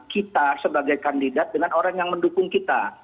kita sebagai kandidat dengan orang yang mendukung kita